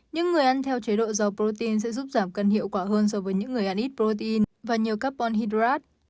những người ăn theo chế độ dầu protein sẽ giúp giảm cân hiệu quả hơn so với những người ăn ít protein và nhiều carbon hydrate